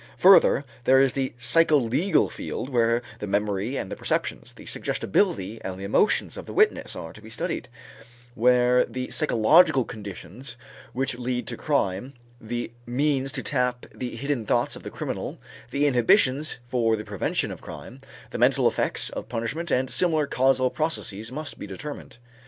Further there is the psycholegal field where the memory and the perceptions, the suggestibility and the emotions of the witness are to be studied, where the psychological conditions which lead to crime, the means to tap the hidden thoughts of the criminal, the inhibitions for the prevention of crime, the mental effects of punishment and similar causal processes must be determined.